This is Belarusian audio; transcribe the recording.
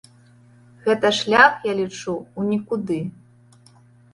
Гэта шлях, я лічу, у нікуды.